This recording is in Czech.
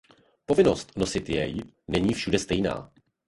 Povinnost nosit jej není všude stejná.